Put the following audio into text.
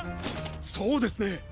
そうですね。